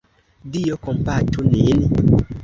Dio kompatu nin!